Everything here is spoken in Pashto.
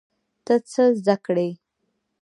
ته څه زده کړې؟